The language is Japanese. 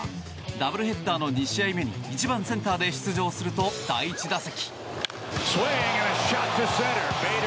ダブルヘッダーの２試合目に１番センターで出場すると第１打席。